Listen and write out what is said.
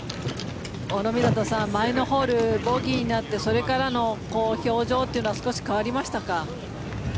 諸見里さん、前のホールボギーになってそれからの表情というのは少し変わりましたか。